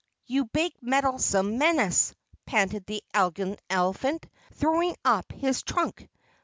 You big meddlesome menace!" panted the Elegant Elephant, throwing up his trunk.